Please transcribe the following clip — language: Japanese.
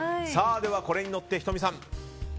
これに乗って、仁美さん。